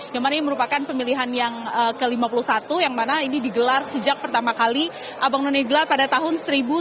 yang mana ini merupakan pemilihan yang ke lima puluh satu yang mana ini digelar sejak pertama kali abang none gelar pada tahun seribu sembilan ratus sembilan puluh